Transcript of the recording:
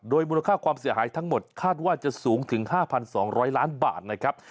มูลค่าความเสียหายทั้งหมดคาดว่าจะสูงถึง๕๒๐๐ล้านบาทนะครับ